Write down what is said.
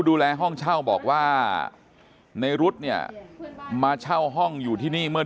ดูแลห้องเช่าบอกว่าในรุ๊ดเนี่ยมาเช่าห้องอยู่ที่นี่เมื่อ